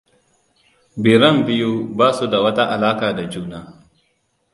Birran biyu ba su da wata alaka da juna.